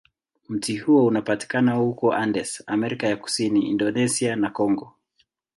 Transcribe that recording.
Mti huo unapatikana huko Andes, Amerika ya Kusini, Indonesia, na Kongo.